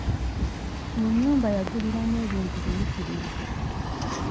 Mu nnyumba yaguliramu ebintu biyitirivu.